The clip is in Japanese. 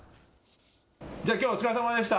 じゃあ、きょうはお疲れさまでした。